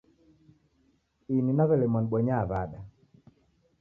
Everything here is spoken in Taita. Ini naw'elemwa nibonya w'ada